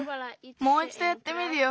もういちどやってみるよ。